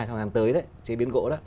trong thời gian tới chế biến gỗ